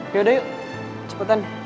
yaudah yuk cepetan